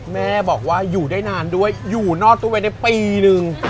แม่บอกว่าอยู่ได้นานด้วยอยู่นอกตู้ไปได้ปีนึง